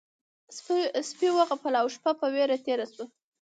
سپي وغپل او شپه په وېره تېره شوه.